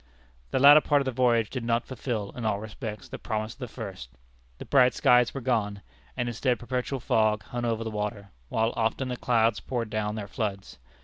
The latter part of the voyage did not fulfil in all respects the promise of the first. The bright skies were gone; and instead perpetual fog hung over the water, while often the clouds poured down their floods.